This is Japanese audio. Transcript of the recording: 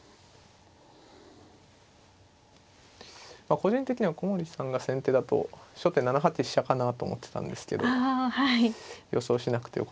個人的には古森さんが先手だと初手７八飛車かなと思ってたんですけども予想しなくてよかったです。